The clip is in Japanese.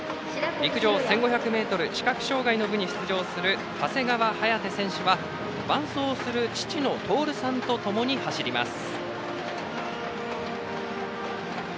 陸上１５００ｍ視覚障害の部に出場する長谷川颯選手は伴走する父の徹さんとともに走ります。